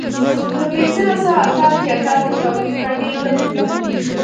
په پنځلس سوه اته اتیا کال کې توپیرونه ډېر لږ و.